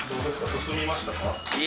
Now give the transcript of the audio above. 進みましたか？